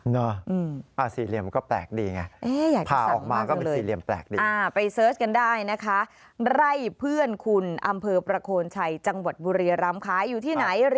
น่าสี่เหลี่ยมก็แปลกดีไง